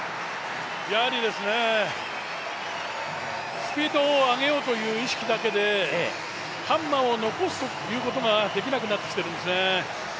やはりスピードを上げようという意識だけでハンマーを残すということができなくなってきてるんですね。